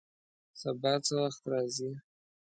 سبا څه وخت راځئ؟